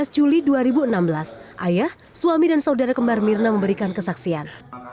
dua belas juli dua ribu enam belas ayah suami dan saudara kembar mirna memberikan kesaksian